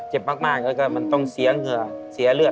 เจ็บมากแล้วก็มันต้องเสียเหงื่อเสียเลือด